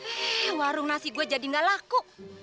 eh warung nasi gua jadi nggak laku